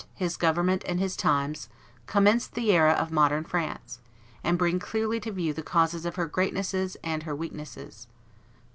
his government and his times commence the era of modern France, and bring clearly to view the causes of her greatnesses and her weaknesses.